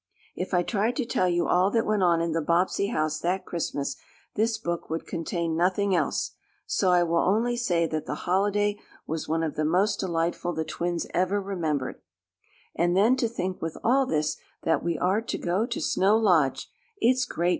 If I tried to tell you all that went on in the Bobbsey house that Christmas this book would contain nothing else. So I will only say that the holiday was one of the most delightful the twins ever remembered. "And then to think, with all this, that we are to go to Snow Lodge! It's great!"